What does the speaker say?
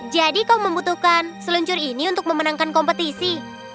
jadi kau membutuhkan seluncur ini untuk memenangkan kompetisi